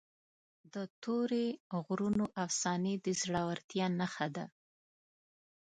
د تورې غرونو افسانې د زړورتیا نښه ده.